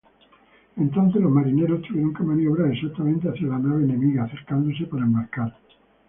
Entonces los marineros tuvieron que maniobrar exactamente hacia la nave enemiga, acercándose para embarcar.